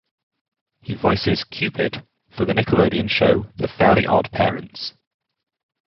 He voices Cupid for the Nickelodeon show "The Fairly OddParents".